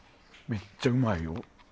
めっちゃうまいよ。